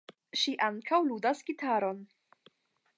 Ŝi ankaŭ ludas gitaron.